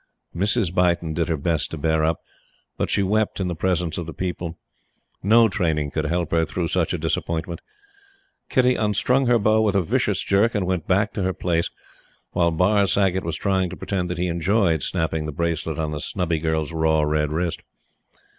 Mrs. Beighton did her best to bear up; but she wept in the presence of the people. No training could help her through such a disappointment. Kitty unstrung her bow with a vicious jerk, and went back to her place, while Barr Saggott was trying to pretend that he enjoyed snapping the bracelet on the snubby girl's raw, red wrist.